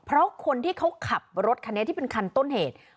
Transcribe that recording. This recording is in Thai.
เพราะคนที่เขาขับรถคันนี้ที่เป็นคันต้นเหตุ